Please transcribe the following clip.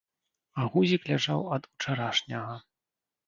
А гузік ляжаў ад учарашняга.